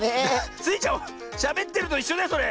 スイちゃんしゃべってるといっしょだよそれ。